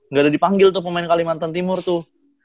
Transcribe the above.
nggak ada dipanggil tuh pemain kalimantan timur tuh